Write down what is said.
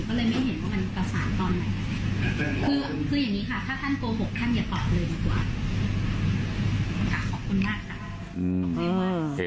ขอบคุณมากค่ะ